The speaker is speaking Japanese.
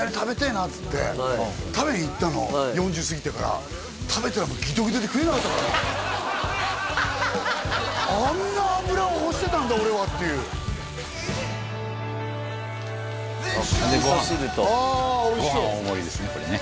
なっつって食べに行ったの４０過ぎてから食べたらもうギトギトで食えなかったからあんな脂を欲してたんだ俺はっていう味噌汁とああおいしそうご飯